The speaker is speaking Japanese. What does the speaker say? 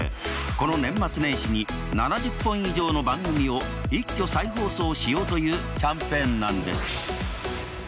この年末年始に７０本以上の番組を一挙再放送しようというキャンペーンなんです。